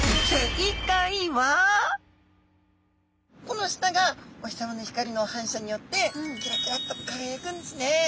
この舌がお日様の光の反射によってキラキラッと輝くんですね。